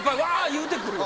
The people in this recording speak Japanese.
言うてくるよね。